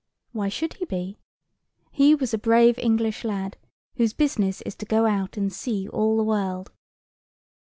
Why should he be? He was a brave English lad, whose business is to go out and see all the world.